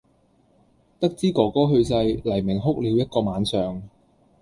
得知“哥哥”去世，黎明哭了一個晚上。